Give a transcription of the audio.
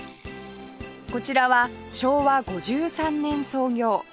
こちらは昭和５３年創業